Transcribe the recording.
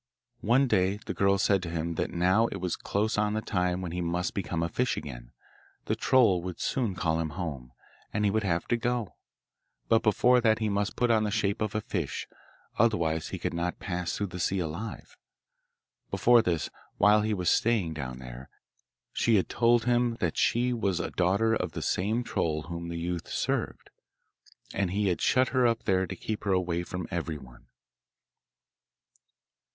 One day the girl said to him that now it was close on the time when he must become a fish again the troll would soon call him home, and he would have to go, but before that he must put on the shape of the fish, otherwise he could not pass through the sea alive. Before this, while he was staying down there, she had told him that she was a daughter of the same troll whom the youth served, and he had shut her up there to keep her away from everyone.